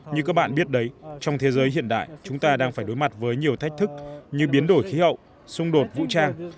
như các bạn biết đấy trong thế giới hiện đại chúng ta đang phải đối mặt với nhiều thách thức như biến đổi khí hậu xung đột vũ trang